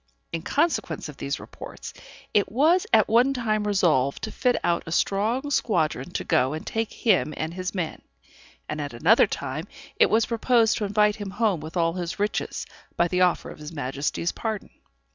In consequence of these reports, it was at one time resolved to fit out a strong squadron to go and take him and his men; and at another time it was proposed to invite him home with all his riches, by the offer of his Majesty's pardon.